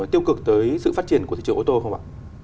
tiêu cực tới sự phát triển của thị trường ô tô không ạ